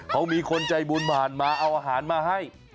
เขามีคนใจบุญผ่านมาเอาอาหารมาให้